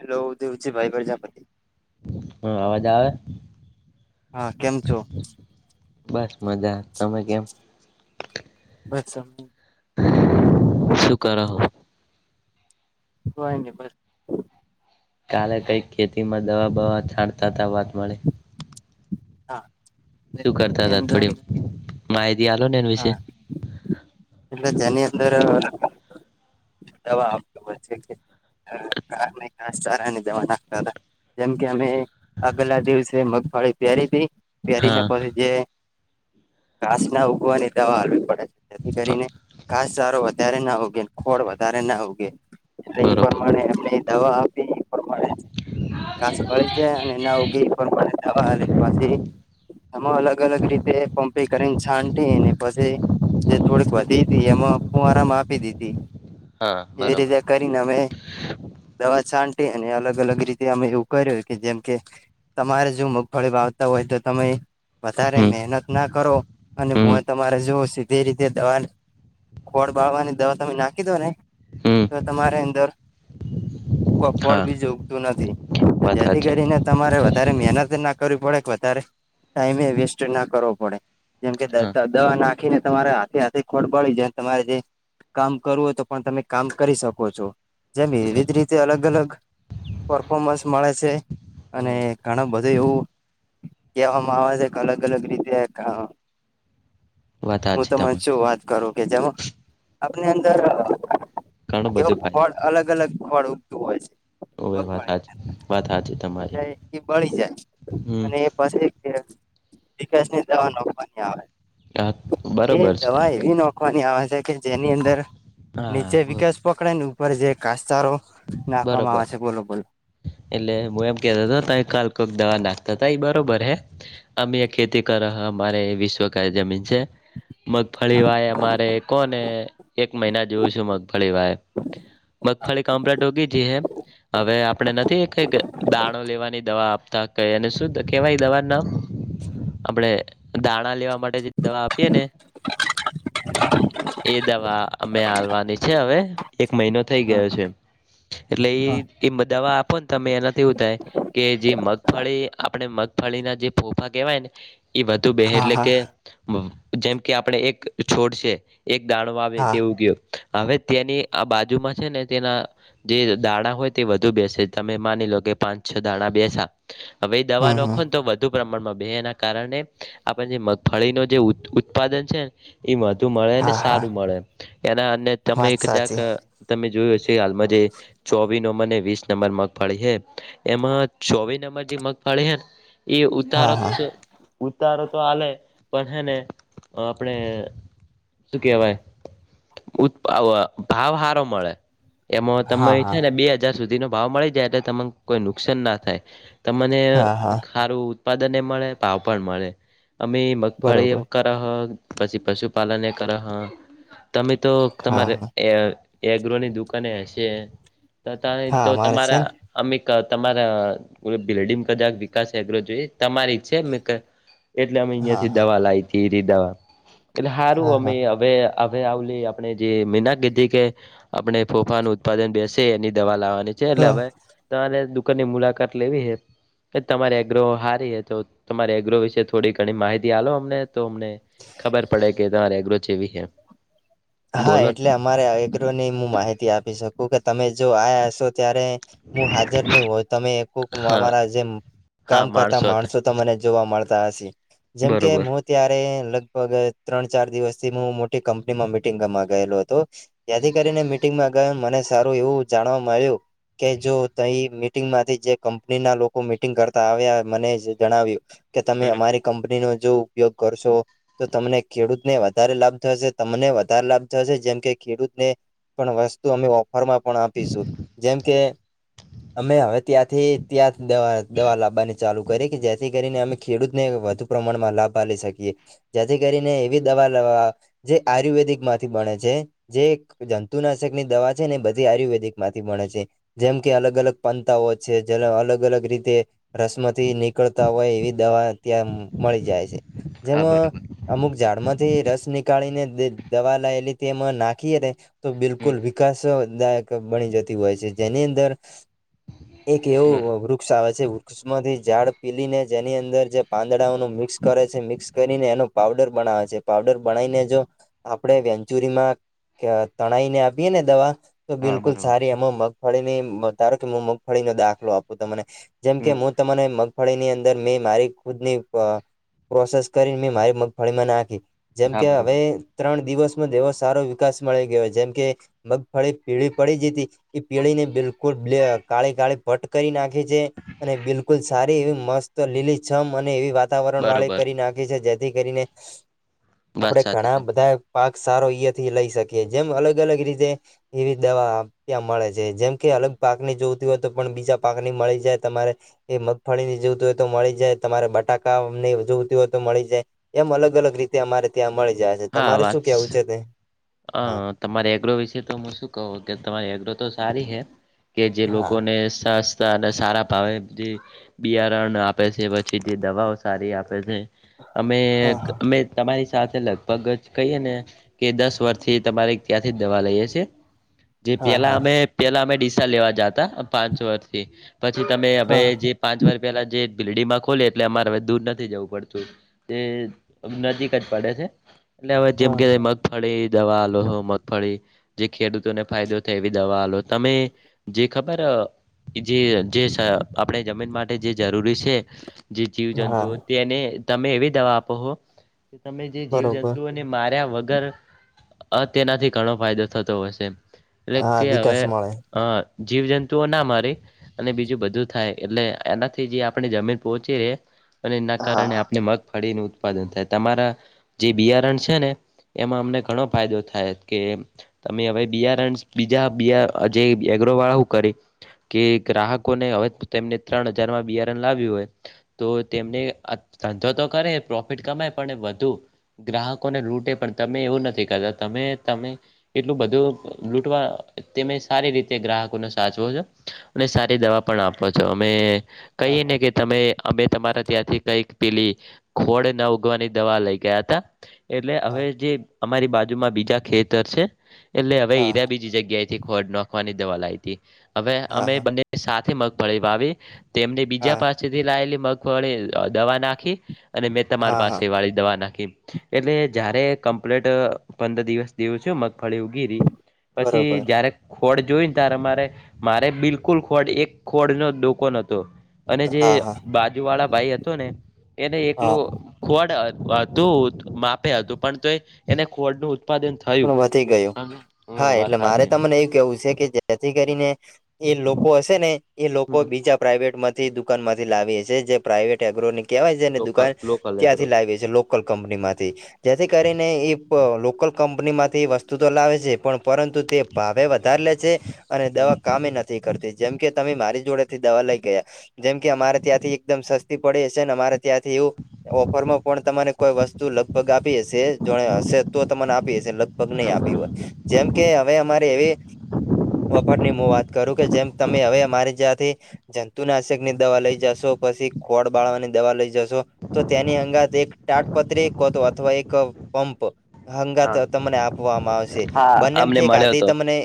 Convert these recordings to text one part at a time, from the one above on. Hello Dev છે ભાઈ પ્રજાપતિ હા અવાજ આવે હા કેમ છો બસ મજા તમે કેમ બસ શું કર રહો હોય બસ કાલે કઈક ખેતીમાં દવા બવા છાંણતા ત વાત મળે હા શું કરતા એની હતા અંદર થોડી માહિતી હાલો ને વિશે હા એ જની અંદરો દવા આપતો હોય છે કે ખાસ ચારાની દવા નાખતા હતા જેમ કે અમે આગલા દિવસે મગફળી પ્યારી દી પહેરીને હા પ જે ઘાસ ના ઉગવાની દવા આવવી પડે જેથી કરીને ઘાસચારો વધારે ના ઉગે ખોળ વધારે ના ઉગે એટલે એ બરોબર પ્રમાે એમને દવા આપી એ પણ મળે કાસવાી જાય અને એના ઉગીવા પાછી એમાં અલગ અલગ રીતે પંપી કરીને સાનટીને પછી જે થોડીક વધી હતી એમાં હું આરામ આપી દીધી હા એવી બરોબર રીતે કરીનેમે દવા છાંટી અને અલગ અલગ રીતે અમે એવું કર્યું કે જેમ કે તમારે જો મગફળી વાવતા હોય તો તમે વધારે હમ મહેનત ના કરો અને હ હમ તમારે જોવ છ તે રીતે દવા ખોળ બાવાની દવા તમે નાખી દો ને હમ તો તમારે અંદર કફડ હા બી જોગતું નથી વાત જેથી હાચી કરીને તમારે વધારે મહેનત ના કરવી પડે કે વધારે ટાઈમે વેસ્ટ ના કરવો પડે જેમ કે હા દવા નાખીને તમારે હાથે હાથે ખોડ પડી છે તમારે જે કામ કરવું હોય તો પણ તમે કામ કરી શકો છો જેમ બરોબર વિવધ રીત તે અલગ અલગ પરફોર્મન્સ મળે છે અને હમ ઘણા બધું એવું કહેવામાં આવે છે કે અલગ અલગ રીતે વાત હું હાચી તને તમારી શું વાત કરું કે જેમાં આપની અંદર ઘણું એવું બધું ફાયદો ફળ અલગ અલગ ફળ ઉગતું હોય છે. ઓવે વાત મગવાળી હાચી વાત હાચી તમારી એટલે એ બળી જાય હમ અને એ પાછી વિકાસ ની દવા નની આવે હા એ બરોબર છે દવા એવી નોખવાની આવે છે કે જેની અંદર નીચે હા વિકાસ પકડે ને ઉપર જે કાસચારો નાખવામાં બરોબર આવે છે બોલો બોલો. એટલે હું એમ કેતો ત કાલ કોક દવા નાખતા તા એ બરોબર હે. અમે ખેતી કર અમારે વિશ્વક [unintelligible] જમીન છે. મગફળી વાય અમારે કોને એક મહિના જોવું છું મગફળી વાય. મગફાળી કામ્પ્લેટ ઉંગી જી હૈ. હવે આપણે નથી કઈક દાણો લેવાની દવા આપતા કઈને શું કેવાય દવા ના આપડે દાણા લેવા માટે જે દવા આપીએે ને એ દવા અમે હાલવાની છે હવે એક મહિનો થઈ હા ગયો છે. એટલે એ હા એ બધાવા આપો ને તમે એનાથી એવું થાય કે જે મગફળી આપણે મગફળીના જે ફોફા કહેવાય ને એ વધુ બે હા એટલે હા કે જેમ કે આપણે એક છોડશે એક દાણો આવે હા તેવું કું હવે તેની આ બાજુમાં છે ને તેના જે દાણા હોય તે વધુ બેસે તમે માની લો કે પાંચ છ દાણા બેસા હવે એ દવા હમ હમ નાખો ને તો વધુ પ્રમાણમાં બે એના કારણે આપણે જે મગફળીનું જે ઉત્પાદન છે. એ વધુ મળે અનેને હા હા સારું મળે એના અને તમે વાત એક જાક સાચી તમે જોયું હશે હાલમાં તે ચોવી નંબરને, વીસ નંબર મગફાળી છે એમાં ચોવી નંબર જે મગફાળી હેને એ ઉતાર હા જ હા છે. ઉતારો તો આલે પણ હેને આપણેે શું કેવાય ઉ ભાવહારો મળે એમાં તમે હા હા થાય ને બે હજાર સુધીનો ભાવ મળી જાય એટલે તને કોઈ નુકસાન ના થાય. તમને હા હા સારું ઉત્પાદન એ મળે ભાવ પણ મળે અમે મગફળી બરોબર પછી પશુપાલન કર હો તમે તો હા તમારે હા એગ્રોની દુકાને હશે ત તા ન હા તો મારે છે તમારા ને અમેક તમારા બિલ્ડીમ કદાચ વિકાસ એેગ્ર જોઈ તમારી ઈચછ એટલે અમે અહિયાં હા થી હા દવા લાવી ત ઈ રિ દવા એટલે સારું હા હા અમે હ હવે આવલી આપણે જે મીના કીધી કે આપણે ફોફાનું ઉત્પાદન બેસે એની દવા લાવવાની છે હા એટલે હવે તમારે દુકાનની મુલાકાત લેવી હ તમારી એગ્રો હારી હ તો તમારી એગ્રો વિશે થોડી ઘણી માહિતી આલો અમને તો અમને તો ખબર પડે કે તમારે એગ્રો છે કે એમ. હા એટલે અમારે એકકરોની હું માહિતી આપી શકું કે તમે જો આ્યા હસો ત્યારે હું હાજર નહી હો તમે કોક હા અમારા જે હા કામ કરતા હતા માણસો ને જોવા મળતા હશે જેમકે બરોબર ત્યારે લગભગ ત્રણ ચાર દિવસથી હું મોટી કંપનીમાં મીટિંગમાં ગયેલો હતો. હમ ત્યાથી કરીને મિટિંગમાં ગયો મને સારું એવું જાણવા મળ્યું કે જો તઈ મીટિંગ માંથી જે કંપની ના લોકો મિટિંગ કરતા આવ્યા મને જણાવ્યું કે તમે બરોબર અમારી કંપનીના જો ઉપયોગ કરશો તો તમને ખેડૂતને વધારે લાભ થશે તમને વધાર લાભ થાયશે જેમ કે ખેડૂતને પણ વસ્તુ અમે ઓફરમાં પણ આપીશું જેમ કે અમે હવે ત્યાંથી ત્યાં દવા દવા લાવવાની ચાલુ કરીએ કે જેથી કરીને અમે ખેડૂતને વધુ પ્રમાણમાં લાભ આલી શકીએ. જેથી કરીને એવી દવા લ જે આયુર્વેદિક માંથી બણે છે જે જંતુનાશક ની દવા છે ને બધી આયુર્વેદિક માંથી બણે છે. જેમ કે અલગ અલગ પંતાઓ છે જેને અલગ અલગ રીતે રસમથી નીકળતા હોય એવી દવા ત્યાં મળી જાય છે. હા જેમાં બરોબર અમુક ઝાડમાંથી રસ નીકાળીને દવા લાયેલી તેમાં નાખીએ ત તો હમ બિલકુલ વિકાસ બની જતી હોય છે જેની અંદર એક એવું બરોબર વૃક્ષ આવે છે વૃક્ષ ઉષ્માથી ઝાડ પીલીને જેની અંદર જે પાંદડાઓનું મિક્સ કરે છે મિક્સ કરીને એનો પાવડર બનાવે છે. પાવડર બનાઈને જો આપણેે વેંચુરીમાં તણાઈને આપીએ ને દવા તો હા બિલકુલ બરોબર સારી એમાં મગ મગફળીની તારો કે હું મગફળીનો દાખલો આપું તમને જેમ કે હમ હું તને પણ એની અંદર મેં મારી ખુદની પ્રોસેસ કરીને મેં મારી મગફળીમાં નાખી. જેમ હા કે હવે બરોબર ત્રણ દિવસ માં એવો સારો વિકાસ મળી ગયો જેમ કે મગફળી પીળી પડી જતી એ પીળી ને બિલકુલ કાળી કાળી ભટ્ટ કરી નાખે છે. અને બિલકુલ સારી એવી મસ્ત લીલી છમ અને એવી વાત વાતાવરણ વાળી બરોબર કરી નાખી છે જેથી કરીને વાત આપણે સાચી ઘણા તમે બ ધા પાક સારો એથી લઈ શકીએ જેમ અલગ અલગ રીતે એવી દવા ત્યાં મળે છે જેમ કે અલગ પાક ની જોતી હોય તો પણ બીજા પાકની મળી જાય તમારે એ મગફળી ની જોવતી હોય તો મળી જાય તમારે બટાકાની જોવતી હોય તો મળી જાય. એમ અલગ અલગ રીતે અમારે ત્યાં મળી જાય છે તમારે શું કેવું છે તે હ હા તમારી એગ્રો વિશે તો હું શું કહું કે તમારી એગ્રો તો સારી હે કે જે હા લોકોને સસ્તા અને સારા ભાવે બિયારણ આપે છે પછી જે દવાઓ સારી આપે છે. અમે હા હા અમે તમારી સાથે લગભગ જ કહીએ ને કે દસ થી તમારી ત્યાંથી દવા લઈએે છે જે હા પેલા હા અમે પેલા અમે ડીસા લેવા જતા પાંચ વર્ષથી પછી તમે હવે હા જે પાંચ વાર પેલા જે બિલ્ડીમાં ખોલી એટલે અમારે હવે દૂર નથી જવું પડતું. તે નજીક જ પડે છે એટલે હવે જેમ કે હા મગફળી દવા લોહ મગફળી જે ખેડૂતોને ફાયદો થાય એવી દવા આલો તમે જે ખબર જે જે સ આપણે જમીન માટે જે જરૂરી છે જે જીવ હા જંતુઓ તેને તમે એવી દવા આપો હો તમે જે જીવ બરોબર જંતુઓને માર્યા વગર અ તેનાથી ઘણો ફાયદો થતો હશે એટલે હા કે હવે વિકાસ મળે. હ જીવજંતુઓ ના મારી અને બીજું બધું થાય એટલે એનાથી જે આપણે જમીન પહોંચી રે અને એના કારણે હા. આપણે મગ ફળીનું ઉત્પાદન થાય તમારા જે બિયારણ છે ને એમાં અમને ઘણો ફાયદો થાય કે તમે હવે બ રણ બીજા બ જે એગ્ર વાળા હું કરે કે ગ્રાહકો ને હવે તેમને ત્રણ હજારમાં બિયારણ લાવ્યું હોય તો તેમને ધંધો તો કરે પ્રોફિટ કમાય પણ વધુ ગ્રાહકોને લૂટે પણ તમે એવું નથી કરતા તમે તમે એટલું બધું લૂટવા તમે સારી રીતે ગ્રાહકો નો સાચવો છો. અને સારી દવા પણ આપો છો અમે હા કહીએને હા કે તમે અમે તમારા ત્યાંથી કઈક પેલી ખોડ ના ઉગવાની દવા લઈ ગયા હતા એટલે હા હવે જે અમારી બાજુમાં બીજા ખેતર છે. એટલે હવે હા હઈરા બીજી જગ્યાએથી ખોડ નખવાની દવા લઈ હતી હવે હા અમે હા હા બંને સાથે મગફળી વાવી તેમને બીજા હા પાસ થી લાયેલી મગવાળી દવા નાખી અને મેં તમારી હા હા પાસે વાળી દવા નાખી એટલે જયારે કમ્પ્લીટ પંદર દિવસ જેવું છે મગફળી ઉગી રી પછી બરોબર જ્યારે ખોડ જોઈને તારે મારે મારે બિલકુલ ખોડ એક ખોડ નો ડોકો નતો અને જે હા હા બાજુ વાળા ભાઈ હતો ને એને હા એકલું ખોડ હતું માપે હતું પણ તોય એને ખોડનું ઉત્પાદન થયું પણ વધી ગયું, હા હ વાત એટલે મારે સાચી તમને એ કેવું છે કે જેથી કરીને એ લોકો હશે ને એ લોકો હમ બીજા પ્રાઈવેટમાંથી દુકાનમાંથી લાવી હશે જે પ્રાઇવેટ એગ્રોનિક કેવાય છે ને લોકલ દુકાન લોકલ એગ્રો ત્યાંથી લાયવી છે લો કલ કંપનીમાંથી જેથી કરીને એ લોકલ કંપની માંથી વસ્તુ તો લાવે છે પણ પરંતુ તે ભાવે વધારે લે છે અને હમ દવા કામે નથ નથીતી જેમ કે તમે મારી જોડે થી દવા લઈ ગયા જેમ કે અમારે ત્યાંથી એકદમ સ પડી હશે ને અમારા ત્યાંથી એવું ઓફરમાં પણ તમારે કોઈ વસ્તુ લગભગ આપી હશે જો હશે તો આપ લગભગ નહી હા આપી બરોબર હોય જેમ કે હવે અમારે એવી વફટ ની હું વાત કરું કે જેમ તમે હવે અમારી જ્યાંથી જંતુ નાશક ની દવા લઈ જશો પછી ખોળ બાળવાની દવા લઈ જસોં તો તેની હંગાતે એક તાટપત્રીતો કોતો અથવા એક પંપ હા તો તમને આપવામાં આવશે હા અમને બંનેમથી મળ્યો આધી હતો તમને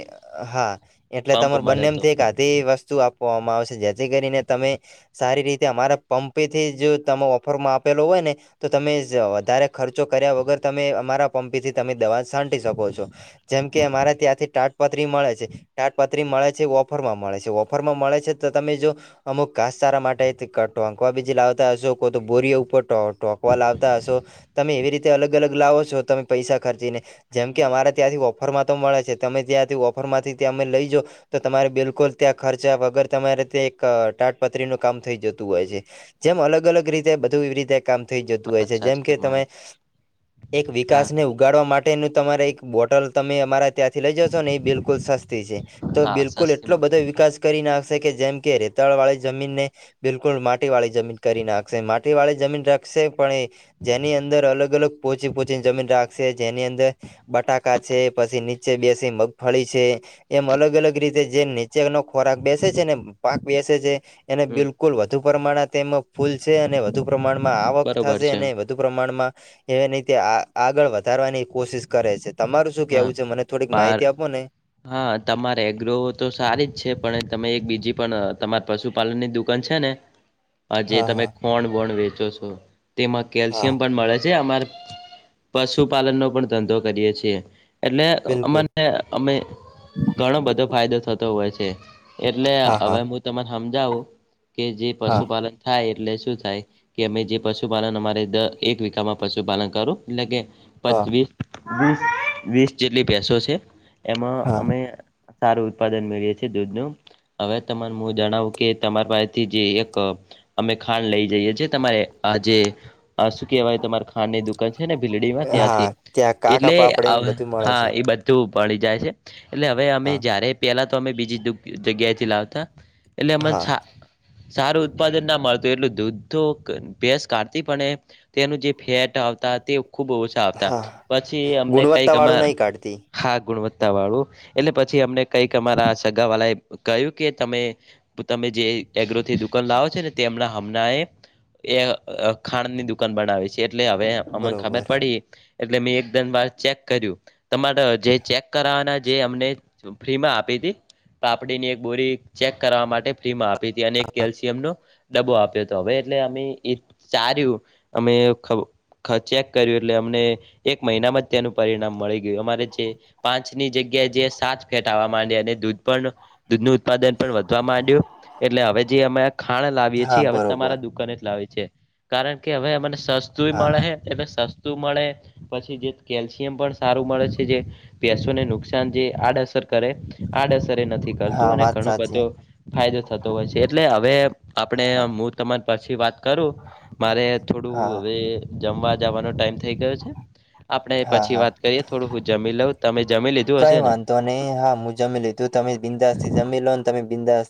હા એટલે પંપ તમારે મળ્યો હતો બંનેથી એક આધી વસ્તુ આપવામાં આવશે જેથી કરીને તમે- સારી રીતે અમારા પંપેથી જો તમે ઓફરમાં આપેલો હોય ને તો તમે જ વધારે ખર્ચો કર્યા વગર તમે અમારા પંપેથી તમે દવા છાટી શકો છો. જેમ કે અમારે ત્યાંથી તાટપત્રી મળે છે. તાડપત્રી મળે છે ઓફરમાં મળે છે, ઓફરમાં મળે છે તો તમે જો અમુક ઘાસચારા માટે અહીંથી ટોંકવા બીજી લાવતા હશે કો તો બોરીયા ઉપર ટો ટોકવા લાવતા હશો, તમે એવી રીતે અલગ-અલગ લાવો છો તમે પૈસા ખર્ચીને જેમ કે અમારે ત્યાંથી ઓફરમાં તો મળે છે તમે ત્યાંથી ઓફરમાંથી ત્યાં અમે લઈ જાઓ. તો તમારે બિલકુલ ત્યાં ખર્ચા વગર તમારે તે એક તાટપત્રીનું કામ થઈ જતું હોય છે. જેમ અલગ-અલગ રીતે બધું એવી રીતે કામ થઈ જતું હોય વાત છે જેમ સાચી કે તમે તમારી એક હા વિકાસને ઉ ઉગાડવા માટેનું તમારે એક બોટલ તમે અમારાં ત્યાંથી લઈ જશો ને એ બિલકુલ સસ્તી છે તો હા બિલકુલ સસ્તી એટલો મળે બધો વિકાસ કરી નાખશે કે જેમ કે રેતાળવાળી જમીનને બિલકુલ માટીવાળી જમીન કરી નાખશે માટીવાળી જમીન રાખશે પણ એ જેની અંદર અલગ-અલગ પોચી પોચીની જમીન રાખશે જેની અંદર બટાકા છે, પછી નીચે બેસી મગફળી છે. એમ અલગ-અલગ રીતે જે નીચેનો ખોરાક બેસે છે ને પાક બેસે છે. એ હમ બિલકુલ વધુ પ્રમાણ તેમાં ફૂલ છે અને વધુ પ્રમાણમાં આવક બરોબર થશે છે અને વ ધુ પ્રમાણમાં એને તે આગળ વધારવાની કોશિશ કરે છે તમારું શું હા કેવું છે મને થોડીક પાર માહિતી આપો ને. હા તમારે એગ્રોવ તો સારી જ છે પણ તમે એક બીજી પણ તમાર પશુપાલનની દુકાન છે ને. [inaudible] જે તમે હા ખોંણ બોણ વેચો છો, તેમાં હા કેલ્શિયમ પણ મળે છે અમાર પશુપાલનનો પણ ધંધો કરીએ છીએ એટલે બિલકુલ અમાને અમે ઘણો બધો ફાયદો થતો હોય છે એટલે હા અવે હા મુ તમને સમજાવું કે જે હા પશુપાલન થાય એટલે શું થાય? કે અમે જે પશુપાલન અમારે દ એક વીકામાં પશુપાલન કરું એટલે કે હા પચસ વીસ વીસ જેટલી ભેસો છે એમાં હા અમે સારું ઉત્પાદન મેળવીએ છે દૂધનું. હવે તને મુ જણાવું કે તમારા પાસેથી જે એક અમે ખાંડ લઈ જઈએ છે તમારે આ જે આ શું કહેવાય તમારે ખારની દુકાન છે ને ભીલડીમાં ત્યાંથી હા ત્યાં કાકા એટલે આવ પાપડીને બધું મળે હા છે એ બા તુ ઉપાડી જાય છે એટલે હવે અમે હા જયારે પેહલા તો અમે બીજી જગ્યાએથી લાવતાં. એટલે એમને હા સા સારું ઉત્પાદન ના મળતું એટલું દૂધ તો ભેસ કાઢતી પણ એ તે એનું જે ફેટ આવતા તે ખૂબ ઓછ તા આવતા હા પછી અમને કઈક ગુણવત્તા વાળું અમાર નહી કાઢતી હાર ગુણવત્તાવાળું એટલે પછી અમને કઈક અમારા સગાવાલા એ કહ્યું કે તમે તમે જે એગ્રોથી દુકાન લાવો છો ને તેમના હમણાં એ એ ખાણ ની દુકાન બનાવે છે. એટલે હવે અમે ખબર બરોબર પડી એટલે મેં એક દન બાદ ચેક કર્યું તમારે જે ચેક. કરવાના જે અમને. ફ્રીમાં આપી હતી પાપડીની એક બોરી ચેક કરાવા માટે ફ્રીમાં આપી. પીતી અને એક કેલ્શિયમનો ડબ્બો આપ્યો હતો હવે એટલે અમે એ ચાર્યું અમે ખ ખ ચેક કર્યું એટલે અમને એક મહિનામાં જ તેનું પરિણામ મળી ગયું અમારે છે પાંચની જગ્યા એ જયાં સાત ફેટ આવવા માંડયા અને દૂધ પણ દૂધ નુ ઉત્પાદન પણ વધવા માંડ્યું. એટલે હવે જે અમે ખાણ લાવીએ હા છીએ એ હવે બરોબર તમારા દુકાને જ લાવએ છેીએ. કારણ કે હવે અમને સસ્તું હા મળે હા એલે સસ્તું મળે પછી જે કેલ્શિયમ પણ સારું મળે છે જે પસોને નુકસાન જે આડઅસર કરે આડઅસર નથી હા કરતું અને વાત ઘણ સાચી બધો ફાયદો થતો હોય છે એટલે હવે આપણે હા તમારી પછી વાત કરું મારે થોડું હા હવે. જમવા જવાનો ટાઈમ થઈ ગયો છે આપડે હા પછી હા વાત કરીએ થોડું હું જમી લઉં તમે જમી લીધું. કઈ હશે ને વાંધો નહી હા હું જમી લીધું તમે બિંદાસથી જમી લો ને તમે બિંદાસ